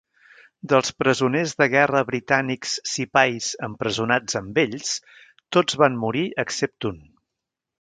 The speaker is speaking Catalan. Dels presoners de guerra britànics sipais empresonats amb ells, tots van morir, excepte un.